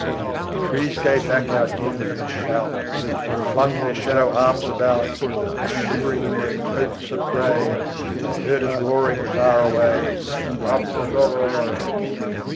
The trees gave back our din and shout, And flung their shadow arms about; And shivering in their coats of gray, They heard us roaring far away, Up the line.